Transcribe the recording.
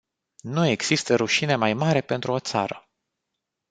Nu există rușine mai mare pentru o țară.